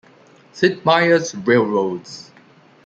Sid Meier's Railroads!